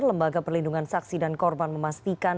lembaga perlindungan saksi dan korban memastikan